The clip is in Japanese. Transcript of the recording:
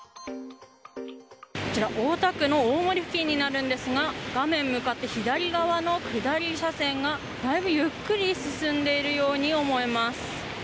こちら大田区の大森付近になるんですが画面向かって左側の下り車線がだいぶゆっくり進んでいるように思えます。